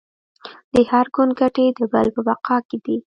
د هر ګوند ګټې د بل په بقا کې دي